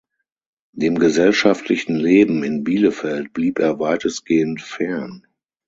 Dem gesellschaftlichen Leben in Bielefeld blieb er weitestgehend fern.